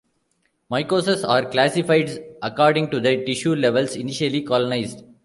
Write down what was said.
Mycoses are classified according to the tissue levels initially colonized.